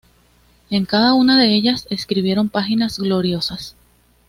En cada una de ellas escribieron páginas gloriosas.